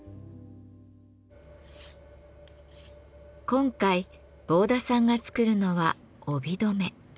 今回坊田さんが作るのは帯留め。